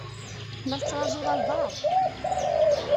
La tettṛajuḍ albaɛḍ?